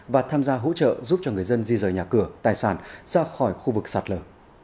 và tham gia hỗ trợ giúp cho người dân di rời nhà cửa tài sản ra khỏi khu vực sạt lở